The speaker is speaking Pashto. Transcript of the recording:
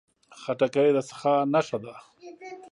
خټکی د سخا نښه ده.